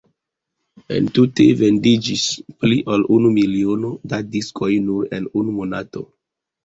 Entute vendiĝis pli ol unu miliono da diskoj nur en unu monato.